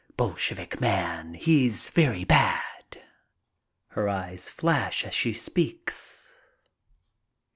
Bolshevik man, he's very bad." Her eyes flash as she speaks.